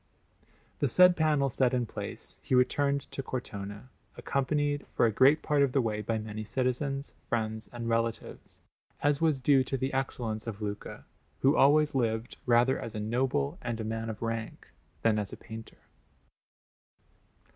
The said panel set in place, he returned to Cortona, accompanied for a great part of the way by many citizens, friends, and relatives, as was due to the excellence of Luca, who always lived rather as a noble and a man of rank than as a painter.